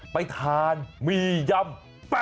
ไปทานหมี่ยำ๘๐